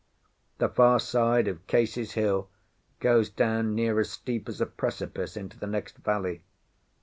The far side of Case's hill goes down near as steep as a precipice into the next valley.